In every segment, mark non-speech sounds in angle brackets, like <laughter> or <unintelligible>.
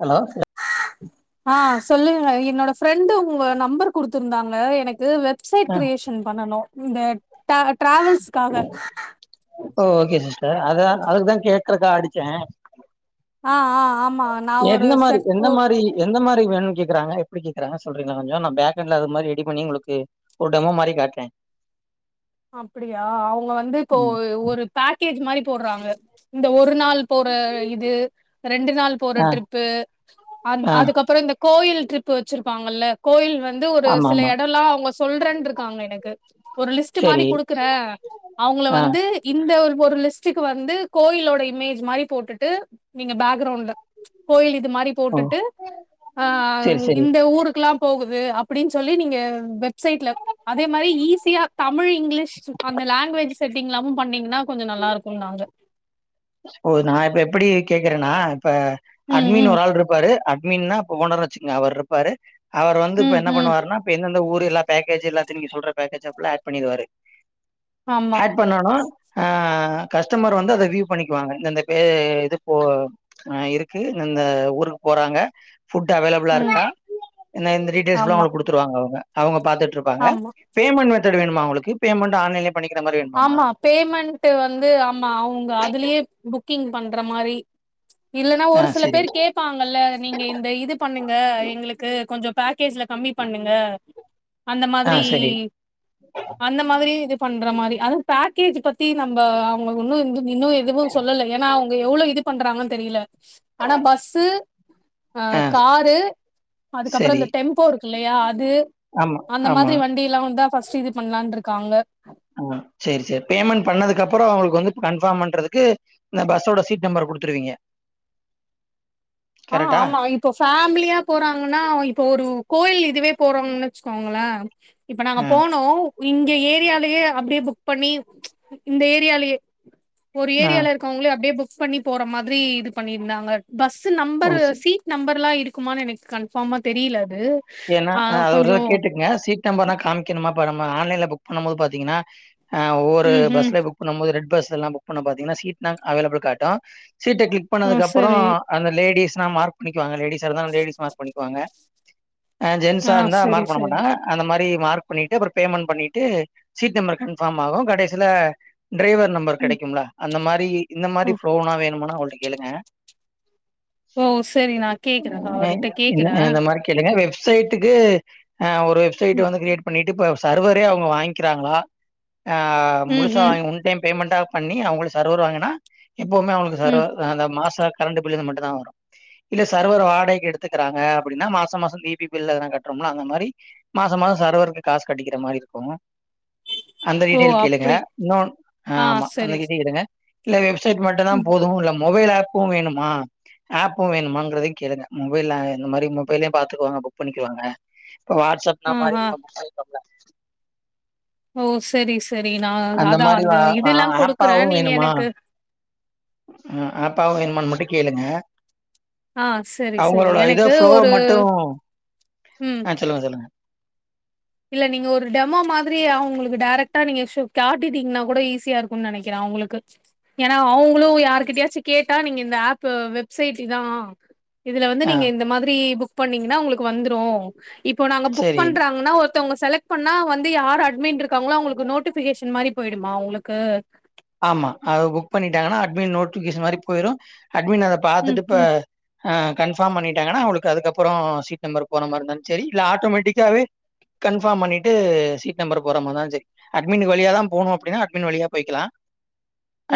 Hello ஆ சொல்லு க என்னோட ஃப்ரெண்டு் உங்க நம்பர் குடுத்துருந்தாங்க எனக்கு து வெப்சைட் கிரியேஷன் பண்ணனு இந்த ட்ட ட்ராவல்ஸ்காக ஓ ஓகே சிஸ்டர் அதா அததா கேக்குறக்கா அடிச்சே ஆ ஆ ஆமா நா ஒரு எந்த மாரி செட் எந்த டூர் மாரி எந்த மாரி வேணு கேக்கறாங்க எப்டி கேக்கறான்ன சொல்றீங்க கொஞ்ச நா பேக்கண்ட்ல அ மாரி ரெடி பண்ணி உங்களுக்கு ஒரு டெமோ மாரிகாட்றே அப்டியா அவுங்க வந்து இப்போ ம். ஒரு பேக் கேஜ்மாரி போடுறாங்க இந்த ஒ ஒருநாள் போற இது ரெண்டு நாள் போற ஆ ட்ரிப்பு அ ஆ அதுக்கப்புறோ இந்த கோயில் டிரிப் வெச்சுருப்பாங்கல்ல கோயில் வெ வந்து ஒரு ஆமா சில ஆமா எடோல்லா அவங்க சொல்றன்ருக்காங்க எனக்கு ஒர் த்து மாறி சரி குடுக்குற அவங்கள ஆ வந்து இந்த ஒரு ஒரு லிஸ்டுக்கு வந்து கோயிலோட இமேஜ் மாரி போட்டுட்டு நீங்க பேக்ரவுண்ட்ல கோயில் இது இது மாரி ஓ போட்டுட்டு ஆ சரி சரி இந்த ஊருக்குல்லாம் போகுது அப்டின் சொல்லி நீங்க வெப்சைட்ல அதே மாரி ஈஸியா தமிழ் இங்கிலீஷ் அந்த லாங்குவேஜ் செட்டிங் எல்லாமும் பண்ணீங்கன்னா கொஞ்சோ நல்லா இருக்குனாங்க ஓ நா இப்ப எப்படி கேக்குறன்னா இப்ப ம் அட்மின் ம் ஒரு ஆள் இருப்பாரு அட்மின்னா இப்ப ஓனரா வெச்சுக்குங்க அவர் இருப்பாரு அவர் வந்து இப்ப ம் என்ன ம் பண்ணுவருன்னா இப்ப எந்தந்த ஊரு எல்லா பேக்கேஜ் எல்லா நீங்க சொல்ற பேக்ஜலா ஏப்ல ஏட் பண்ணிருவாரு ஆமா ஏட் பண்ணனு ஆ கஸ்டமர் வந்து அத விவ் பண்ணிக்குவாங்க இந்தந்த பே இது போ இருக்கு இந்தந்த ஊருக்கு போறாங்க ஃபுட் அவெயிலபா ம் இருக்கா என்ன இந்த டீடெயில்ஸ் ஃபுல்லா ஆமா உங்களுக்கு குடுத்துருவாங்க அவங்க அவங்க பாத்துட்டு இருப்பாங்க ஆமா பேமெண்ட் வந் மெத்தெடு வேணுமா உங்களுக்கு பேமெண்ட் ஆன்லைன்லயே பண்ணிக்கிற மாரி வேணுமாமா ஆமா பேமெண்ட்டு வந்து ஆமா அவங்க அதுலயே புக்கிங் பண்ற மாரி இல்லன்னா ஆ ஒரு சில சரி பேர் கேப்பாங்கல்ல நீங்க இந்த இது பண்ணுங்க எங்களுக்கு கொஞ்சம் கேஸ்ல கம்மி பண்ணுங்க அந்த ஆ மாதிரி சரி அந்த மாதிரி இது பண்ற மாரி அது பேக்கேஜ் பத்தி நம் அவங்களுக்கு ஒன்னு இந்து இன்னு எதுவுமசொல்லல்ல ஏன்னா அவங்க எவ்வளவு இது பண்றாங்கன் தெரில ஆனா பஸு அ ஆ காரு அதுக்கப்புறோ சரி இந்த டெம்போ இருக் ல்லையா அது ஆமா அந்த ஆமா மாதிரி வண்டில்லா வந்தா ஃப்ர்ஸ்ட் இது பண்ணலான்ட்ருக்காங்க ஆ சேரி சேரி பேமெண்ட் பண்ணதுக்கு அப்பற அவங்களுக்கு வந்து கன்ஃபார்ம் பண்றதுக்கு இந்த பஸ்ஸோட சீட் நம்பர் குடுத்துருவீங்க ஆ கரெக்டா ஆமா இப்ப ஃபேமிலியா போறாங்கன்னா இப்ப ஒரு கோயில் இதுவே போறாங்கன்னு வச்சுக்கோங்கலே இப்ப நாங்க ஆ போனோ இங்க ஏரியாலயே அப்டியே புக் பண்ணி ச் இந்த ஏரியாலயே ஒரு ஆ ஏரியால இருக்காவங்களே அப்டியே புக் புக் பண்ணி போற மாத்ரி இது பண்ணியிருந்தாங்க பஸ் த் ஓ நம்பரு ச சீட் நம்பர்ல்லா ட்டுக்குமானு எனக்கு கன்ஃபார்மா தெரீல ஏன்னா அதது ஒரு இத கேட்டுக்கங்க சீட் நம்பர்னா காமிக்கணுமா ப்ப நம்ம ஆன்லைன்ல புக் பண்ணும் போது பாத்தீங்கன்னா ஆ ஒவ்வொரு ம் ம் பஸ்லய புக் பண்ண போது ரெண் வேட்பஸ்ல்லா புக் பண்ண ப பாத்தீங்கன்னா சீட்ல்லா அவைலபிள் காட்டு சீட்ட க்ளிக் ஆ பண்ணதுக்கு அப்பற சரி அந்த லேடிஸ் நா மார்க் பண்ணி அவங்க லேடீஸா இருந்தா லேடிஸ் மார்க் பண்ணிக்குவாங்க அ ஜென்ஸா ஆ இருந்தா சரி மார்க் சரி பண்ணமாட்டாங்க அந்த மாரி தி மார்க் பண்ணிட்டு அப்பற பேமெண்ட் பண்ணிட்டு சீட் நம்பர் கன்பார்ம் ஆகு கடைசில டிரைவர் நம்பர் ம் கெடைக்கும்ங்களா அந்த மாரி இந்த மாரி ம் ப்ளோனா வேணும்னா ஒடி கேளுங்க ஓ சரி நா கேக்கறேன்ங்க அஹ் அவர்ட்ட கேக்கற கே அ ஒரு வெப்சைட் வந்து க்ரியேட் பண்ணிட் இப்ப சர்வரே அவங்க வாங்கிக்கிறாங்களா ஆ ம் முழுசா ம் வாங்கி உன் டைம் பேமெண்ட்டா பண்ணி அவங்களுக்கு சர்வர் வாங்கன்னா எப்பமே அவங்களுக்கு ம். சர்வர்தா அந்த மாஸ் தா கரண்ட் பில் மட்டுந்தா வரு இல்ல சர்வர் வாடகைக்கு எடுத்துக்குறாங்க அப்டின்னா மாசோ மாசோ ஈபி பில் எதனா கட்றோமா அந்த மாரி மாசம் மாசோ மாசோ சர்வருக்கு காசு கட்டிக்குற மாரி இருக்கு அந்த ஓ டீட்டையில் கேளுங்க அப்டி இன்னொன் ஆ ஆமா அந்த சரி டீட்டேல் கேளுங்க இல்ல வெப் செட் மட்டுந்தா ம் போது இல்லம் மொபைல் ஏப்பும் வேணுமா ஏப்பும் வேணுமாங்குறத கேளுங்க மொபைல்ல இந்த மாரி மொபைல்லையு பாத்துக்குவாங்க அப்பப் பண்ணிக்குவாங்க வாட்ஸ் ஆஃப்னா ஆ மாரி ஆ <unintelligible> ஓ செரிஸ் அந்த மாரி ஒரு ஏப் குடுக்குறேன். ஏப்பாவு நீங்க வேணுமா எனக்கு ம் ஏப்பாவு வேணுமான் மட்டு கேளுங்க ஆ செரி செரி அவங்களோட இத எனக்கு ஃப்ளோ ஒரு மட்டும் ம். ஆ சொல்லுங்க சொல்லுங்க இல்ல நீங்க ஒரு டெமோ மாதிரி அவங்களுக்கு டேரெக்ட் கேட்டா நீங்க சோ காட்டீட்டீங்கன்னா கூட ஈஸியா இருக்குன் நெனைக்கிற அவுங்களுக்கு ஏன்னா அவங்களு யாருகிட்டயாச்சு கேட்டா நீங்க இந்த ஏப்பு வெப்சைட் இதா இதுல வந்து ஆ நீங்க இந்த மாதிரி புக் பன்னீங்கன்னா உங்களுக்கு வந்துரு இப்போ நாங்க புக் சரி. பண்றாங்கன்னா ஒர் ஒருத்தவங்க செலெக்ட் பண்ணா வந்து யாரு அட்மின்ருக் காங்களோ அவங்களுக்கு நோட்டிபிகேஷன் மாரி போயிடுமா உங்களுக்கு ஆமா அது புக் பண்ணிட்டாங்கன்னா அட்மின் நோட்டிபிகேஷன் மாரி போயிரு அட்மின் அத ம், பாத்துட்டு இப்ப ம். ஆ கன்ஃபாம் பண்ணிட்டாங்கன்னா அவங்களுக்கு அதுக்கப்புறோ சீட் நம்பர் போற மாரி இருந்தாலு சேரி இல்ல ஆட்டோமேட்டிக்காவே கன்ஃபாம் பண்ணிட்டு சீட் நம்பர் போற மாரி இருந்தாலு சேரி அட்மினக்கு வழியாதா போனு அப்டின்னா அட்மின் வழியா போயிக்குலா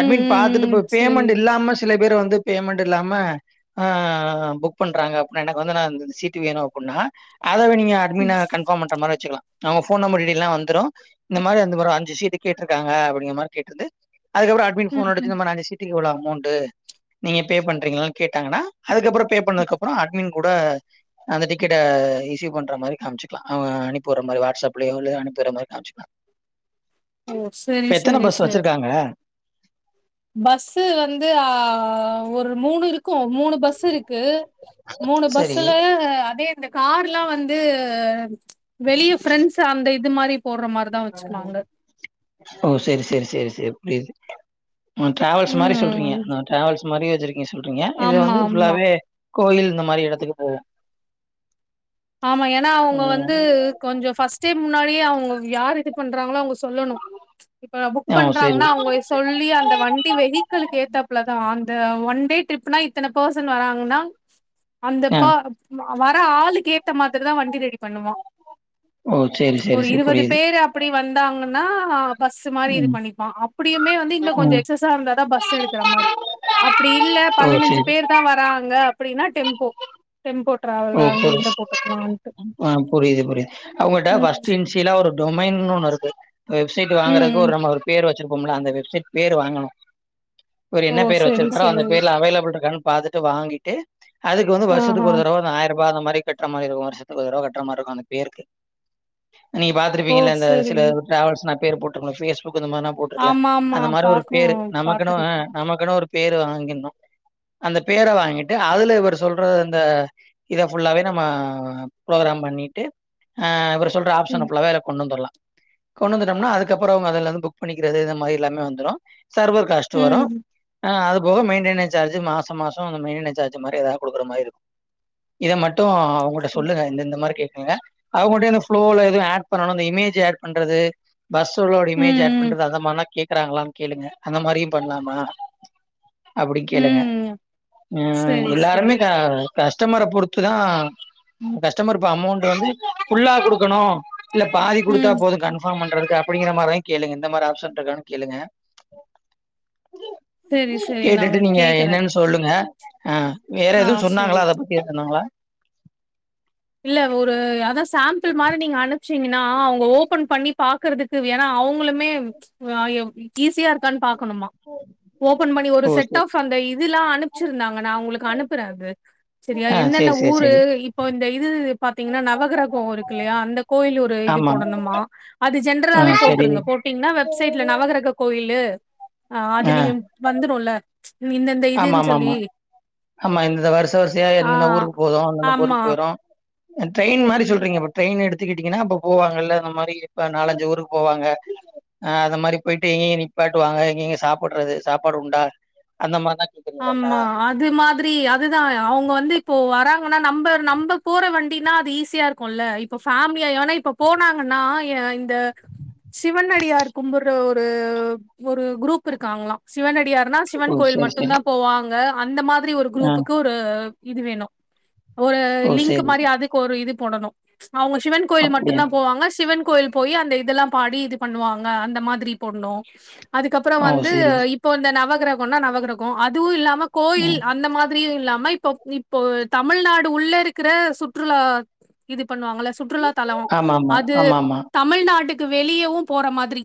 ம், அட்மீன் பாத்துட்டு ம், ம். போய் சரி. பேமெண்ட் இல்லாம சில பேர் வந்து பேமெண்ட் இல்லாம ஆ புக் பண்றாங்க அப்புன்னா எனக்கு வந்து நா அந்த சீட்டு வேணு அப்புன்னா அதாவே நீங்க ம், அட்மீன கன்ஃபாம் பண்ற மாரி வெச்சுக்கலா அவங்க ஃபோன் நம்பர் டீடைல் எல்லா வந்துரு இந்த மாரி அந்த மாரி அஞ்சு சீட்டு கேட்ருக்காங்க அப்டிங்கிற மாரி கேட்டுருந்து அதுக்கப்ற அட்மின் ஃபோன் ம், அடுச்சு ம். இந்த மார் நா அஞ்சு சீட்டிக் இவ்ளோ ஆவு அமௌன்டு நீங்க பே பண்றீங்களான் கேட்டாங்கனா அதுக்கப்றொ பே பண்ணதுக்கப்றொ அட்மின் கூட அந்த டிக்கெட்ட ரிசீவ் பண்ற மாரி காம்ச்சுக்லா அவ அனுப்பிவுற மாரி வாட்ஸ்அப்லயோ இல்லயோ அனுப்பிவுற மாரி காம்ச்சுக்லா ஓ செரி செரி செரி கா பஸ்ஸு வந்து ஆ ஒரு மூணு இரு க்கு மூணு பஸ் இருக்கு மூணு சரி பஸ்ஸுல அதே இந்த கார்லா வந்து வெளிய ஃபிரெண்ட்ஸ் அந்த இது மாரி போட்ற மார்தா வச்சுக்குனாங்க ஓ சேரி சேரி சேரி சேரி புரியிது ம் ட்ராவல்ஸ் மாரி சொல்றீங்க ம் ட்ராவல்ஸ் மாரி வச்சிரு ங்க சொல்றீங்க இது ஆமா வந்து ஆமா ஃபுல்லாவே கோயில் இந்த மாரி எடத்துக்கு போவோ ஆமா ஏனா அவுங்க வந்து கொஞ்சொ ஃபஸ்ட் டைம் முன்னாடியே அவுங்க யாருது பண்றாங்களோ அவுங்க சொல்லணு இப்ப புக் ஆ சரி. பண்றாங்கனா அவுங்க சொல்லி அந்த வண்டி வெஹிக்கிலுக்கு ஏத்தாப்புலதா அந் த ஒன் டே ட்ரிப்னா இத்தன பர்சன் வராங்கன்னா அந்த ஆ. பா ம வர ஆளுக்கே த்தமாதிரி தா வண்டி ரெடி பண்ணுவா ஓ! சரி, சரி, ஒரு சரி. இருவது புரியுது. பேரு அப்புடி வந் தாங்கன்னா பஸ்ஸு மாரி இது ம், பண்ணிப்பா அப்புடியுமே வந்து இங்க கொஞ்ச ம். எக்ஸசா இருந்தாதா பஸ் எடுக்குற மாரி அப்டி இல்ல ஓ! பதினஞ்சு சரி. பேர் தா வராங்க அப்பிடின்னா டெம்போ டெம்போ ஓ! ட்ராவல்ல அந்த புரி இதுல போட்டு ஆ புரியிது புரியிது அவுங்கட்ட ம் ஃபஸ்ட்டு இன்சியலா ஒரு டொமைன்னு ஒன்னு இருக்கு வெப்சைட்டு ம் வாங்கறக்கு ம் ஒரு நம்ம ஒரு பேரு வச்சிரு உம்ல அந்த வெப்சைட் பேரு வாங்கணும் இவரு ஓ என்ன பேர் செரி வச்சிருக்காரோ அந்த செரி பேர்ல அவைலபிள் இருக்கான்னு பாத்துட்டு வாங்கிட்டு அதுக்கு வந்து வருஷத்துக்கு ஆஹா ஒரு தடவ ஆயிரபா அந்த மாரி கட்ற மாரி இருக்கும் வருஷத்துக்கு ஒரு தடவ கட்ற மாரி இருக்கும் அந்த பேருக்கு நீங்க ஓ பாத்துருப்பீங்கலே இந்த செரி சில டிராவல்ஸ்ங்க பேர் போட்டுரும் ஃபேஸ் தூக்கு இந்த மாரி நா போட்ருக்கல ஆமா ஆமா அந்த மாரி ஒரு பாக்கு பேரு நம்மக்குனு அ பாத்துருக்கே நம்மக்குனு ஒரு பேரு வாங்கிருனு அந்த பேர வாங்கிட்டு அதுல ஒரு சொல்ற அந்த இத ஃபுல்லாவே நம்ம ப்ரோக்ராம் பண்ணிட்டு ஆ சொல்ற ம் ஆப்ஷன் ஃபுல்லாவே கொண்டு‌‌ வந்துருலா கொண்டு வந்துட்டம்மனா அதுக்கப்புறம் அதுலந்து புக் பண்ணிக்கறது இந்த மாரி எல்லாமே வந்துரும். சர்வர் காஸ்ட்டு வரும் ம் ஆ அது அப்போ மெயிடெனன்ஸ் சார்ஜ் மாச மாசம் நம்ம மெயிடெனன்ஸ் சார்ஜ்‌ மாரி‌ ஏதாவ குடுக்குற மாரி இருக்கும் இத மட்டு ஆ அவுங்கள்ட்ட சரி சொல்லுங்க இந்த இந்ந மாரி கேட் ஏங்க அவுங்கட்ட இந்த ஃபுளோல எதுவும் ஆட் பண்ணணும் இந்த இமேஜா ஆட் பண்றது பஸ் ஓட இமேஜ ஆட் ம் பண்றது அத மனக் கேக்கறாங்கல கேளுங்க அந்த மாரி பண்லாம்மா அப்டி ம் கேளுங்க ம் ம் செரி செரி எல்லாருமே தா கஸ்டமர பொறுத்து தா கஸ்டமர் ப்ப அமௌண்ட்டு வந்து ஃபுல்லா குடுக்கணும் இல்ல பாதி குடுத்தா ம் போதும் கன்ஃபாம் பண் உங்களுக்கு அப்டிங்கற மாரி கேளுங்க இந்த மாரி ஆப்ஷன்ட்‌ இருக்கனு கேளுங்க செரி செரி நா கேட்டுட்டு நீங்க கேக்குறே என்னன் சொல்லுங்க அ வேற ஆ எதுவு செரி சொன்னாங்களா இருக்கணுங்களா இல்ல ஒரு அதா சாம்புள் மாரி நீங்க அனுப் சீங்கன்னா அவுங்க ஓப்பன் பண்ணி பாக்கறதுக்கு வேண அவுங்களுமே் அ ஈஸியா இருக்கான் பாக் ணு மா ஓப்பன் பண்ணி ஒரு ஓ செட் சரி ஆஃப் சரி அந்த இதுல்லா அனுப்ச்சிருந்தாங்க நா ஒங்களுக்கு அனுப்புற அது செரியா ஆ என்னென்ன சரி சரி ஊரு சரி இப்ப இது பாத்தீங்கன்னா நவகிரகோ இருக்கு இல்லையா அந்த கோயில் ஒரு இது ஆமா போடனுமா அது ஆ ஜென்ரலாவே சரி போட்ருங்க போட்டீங்கன்னா வெப்சைட்ல நவகிரக கோயில் கோயிலு ஆ அது நீங்க வந்துருல்ல ஆமா ஆமா ஆமா ஆமா இந்த வருச வரிசையா ஆ என்னென்ன ஊருக்கு போதோ அந்தந்த ஆமா. போருக்கு போயிரு அத் ட்ரெயின் மாரி சொல்றீங்க பாரு ட்ரெயினு எடுத் த்துக்கிட்டீங்கன்னா அப்ப போவாங்கல்ல இந்த மாரி இப்ப நாலஞ்சு ஊருக்கு போவாங்க அ அந்த மாரி போயிட்டு எங்கங்க நிப்பாட்டுவாங்க எங்கங்க சாப்புறது சாப்பாடு உண்டா அந்த மார் ஆமா அது மாதிரி அதுதா அவுங்க வந்து இப்போ வராங்கன்னா நம்ப நம்ப போற வண்டினா அது ஈஸியா இருக்குல்ல இப்ப ஃபேம்லியானா இப்ப போனாங்கன்னா இந் த சிவன்னடியார் கும்புர்ற ஒர் ஒரு குரூப் இருக்காங்களா சிவனடியார் னா ஓ! சிவன் கோயில் சரி, மட் சரி. மட்டுந்தா போவாங்க அந்த மார் மாரி ஒரு ஆ. குரூப்புக்கு ஒரு இது வேணு ஒரு ஓ! லிங்க் சரி. மாரி அதுக்கு ஒரு இது போடணு அவங்க சிவன் கோயில் அப்படியா? மட்டுந்தா போவாங்க சிவன் கோயில் போயி அந்த இதெல்லாம் பாடி இது பண்ணுவாங்க அந்த மாதிரி பொண்ணு அதுக்கப்புறோ ஓ! வந்து சரி. இப்போ இந்த நவ குற கொண்ணா நவ கிரகோ கு அதுவு இல்லாம் நம்ம கோயில் ம். அந்த மாதிரியு இல்லாம் ம இப்போ இப்போ தமிழ்நாடு உள்ள இருக்குற சுற்றுலா இது பண்ணுவாங்கள சுற்றுலா தலோ ஆமாமா, அது ஆமாமா. தமிழ்நாட்டுக் க்கு வெளியவு போற மாதிரி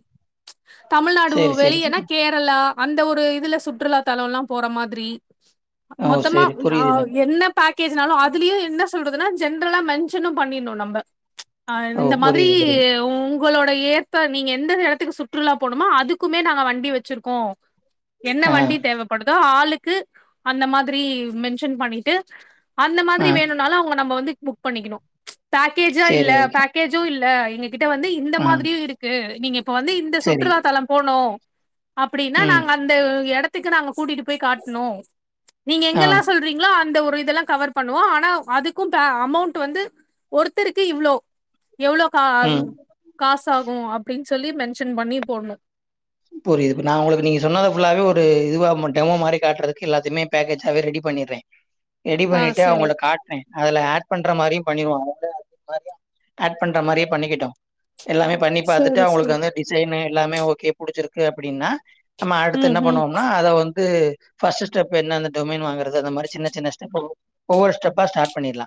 தமிழ்நாடு சரி, சரி, வெளியேனா சரி. கேரளா அந்த ஒரு இதுல சுற்றுலா தலம்லா போற மாதிரி ஓ! மொத்தமா சரி புரியுது எனக்கு. என்ன பேக்கேஜ்னாலு அதுலியு என்ன சொல்றது துனா ஜென்ரலா மென்ஷனு பண்ணிர்னு நம்ப அ ஓ! இந்த மாதிரி புரியுது, புரியுது. உ ங்களோட ஏற்ப நீங்க எந்த எடத்துக்கு சுற்றுலா போனுமோ அதுக்குமே நாங்க வண்டி வச்சுருக்கோ என்ன ஆ, வண்டி படுதா ஆளுக்கு அந்த மாதிரி மென்ஷன் பண்ணிட்டு அந்த ஆ. மாதிரி வேணுன்னாலு அவுங்க நம்ப வந்து புக் பண்ணிக்கனு பேக்கேஜா இல்ல சரி, ஓகே. பேக்கேஜு இல்ல எ கிட்ட வந்து இந்த ஆ, மாதிரியு இருக்கு நீங்க இப்ப வந்து இந்த சரி. சுற்றுலாத்தலம் போனு அப்புடின்னா ம். நாங்க அந்த எட த்துக்கு நாங்க கூட்டிட்டு போய் காட்ணு நீங்க ஆ, எங்கெல்லா சொல்றீங்ளோ அந்த ஒ ரு இதெல்லா கவர் பண்ணுவோ ஆனா அதுக்கு ப அமௌண்ட் வந்து ஒருத்தருக்கு இவ்ளோ எவ்ளோ கா ம். காசா கு‌ அப்டின் சொல்லி மென்ஷன் பண்ணி போட்ணு புரிது நா ஒங்களுக்கு நீங்க சொன்னத ஃபுல்லாவே ஒரு இதுவா டெமோ மாரி காட்றதுக்கு எல்லாத்தையுமே பேக்கேஜாவே ரெடி பண்ணிட்றே ரெடி ஆ பண்ணிட்டு சரி அவுங்கள்ட காட்னே அதுல ஆட் பண்ற மாரி பண்ணிருவோ <inaudible> ஆட் பண்ற மாரியே பண்ணிக்கிட்டு எல்லாமே பண்ணி பாத்துட்டு சரி அவுங்களுக்கு சரி வந்து டிசைனு எல்லாமே ஓகே புடுச்சிருக்கு அப்புடின்னா நம்ம அடுத்து ம் என்ன ம் பண்ணுவோம்னா அத வந் து ஃபஸ்ட்டு ஸ்டெப் என்ன அந்த டொமைன் வாங்குறது அந்த மாரி சின்ன சின்ன ஸ்டெப் ஒவ்வொரு ஸ்டெப்பா ஸ்டார்ட் பண்ணிர்லா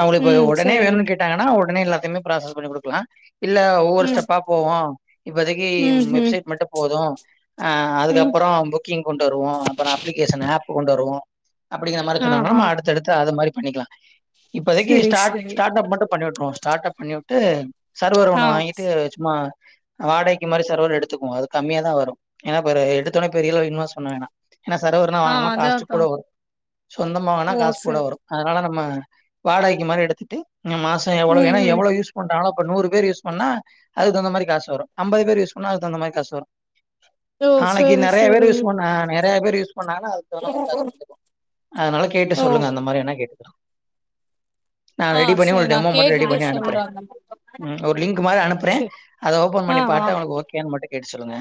அவுங்களுக் இப்ப அது ம் ஒடனே சரி வேணுன் கேட்டாங்கன்னா ஒ பண்ணிர்லா சின்ன ப்ராசஸ் பண்ண குடுக்கலா இல்ல ஒவ்வொரு ம் ஸ்டெப்பா போவோ இப்போதக்கி ம் ம் மட்டு போது அ ம் அதுக்கப்பறோ புக்கிங் கொண்டு வருவோ அப்பறொ அப்ளிகேஷன் ஆப் கொண்டு வருவோ அப்டிங்கிற மாரி ஆ சொன்னாங்கனா ஆ நம்ம அடுத்தடுத்து அது மாரி பண்ணிக்கலா இப்பதைக்கு சரி ஸ்டா சரி ஸ்டாடப் மட்டு பண்ணிட்டுரு ஸடாடப் பண்ணி ட்டு சர்வர் ஆ ஒணு வாங்கிட்டு சும்மா வாடக்கு மாரி சர்வர் எடுத் த்து கம்மியாத வரு ஏன்னா எடுத்தடனே பெரியள சொல்ல வேணா ஏன்னா சர்வர்னா ஆ வாங்கனா காஸ்ட் அதாக்கா கூட வரு சொந்தமா வாங்கனா ஓ காஸ் கூட சரி வரு அதனால ந ம்ம வாடைக்கு மாரி எடுத்துட்டு மாசம் எவ்ளோ ம் ஏனா ம் எவ்ள யூஸ் பண்றங்களோ ப்ப நூறு பேரு யூஸ் பண்ணா அதுக்கு தகுந்த மாரி காசு வரு அம்பது பேரு யூஸ் பண்ணா அது ன்ன மாரி காசு வரு ஓ நாளைக்கு சரி நெறைய பேரு சரி யூஸ் பண்ணா நெறைய பேரு யூஸ் பண்ணாங்க அதுக்கு தகுந்த மாரி காசு அதனால கேட்டு ஓ சொல்லுங்க அந்த மாரி என்ன கேக்குட்டு நா ஆ ரெடி பண்ணி சரி உங்களுக்கு நா டெமோ மட்டு ரெடி கேட்டுட்டு பண்ணி அனுப்பறே சொல்றே அந்த மாரி ஒரு லிங்க் மாரி அனுப்பறே சரி அத ஓபன் ஆ பண்ணி ஆ பாட்டு அவனுக் ஓகே கேட்டு சொல்லுங்க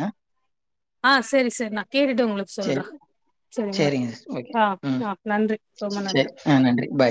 ஆ செரி செரி நா கேட்டு உங்களுக்கு சொல்ற சரி சரிங்களா சரிங்க சிஸ். ஓகே. ஆ ம் ஆ நன்றி ரொம்ப சரி. நன்றி ஆ நன்றி. பாய்.